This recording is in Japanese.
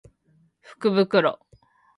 福袋